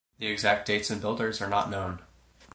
The exact dates and builders are not known.